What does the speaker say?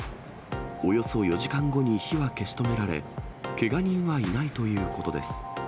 およそ４時間後に火は消し止められ、けが人はいないということです。